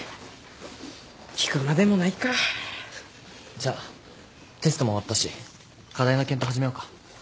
じゃテストも終わったし課題の検討始めようか。